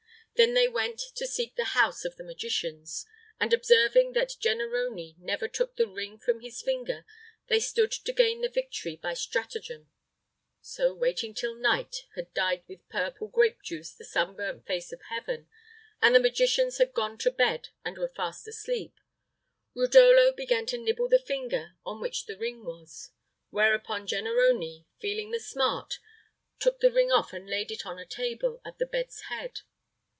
Then they went to seek the house of the magicians; and, observing that Jennarone never took the ring from his finger, they stood to gain the victory by stratagem; so, waiting till night had dyed with purple grape juice the sunburnt face of heaven, and the magicians had gone to bed and were fast asleep, Rudolo began to nibble the finger on which the ring was; whereupon Jennarone, feeling the smart, took the ring off and laid it on a table at the bed's head.